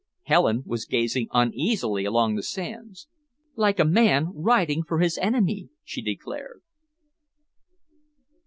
Helen was gazing uneasily along the sands. "Like a man riding for his enemy," she declared.